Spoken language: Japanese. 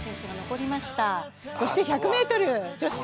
そして１００ｍ女子。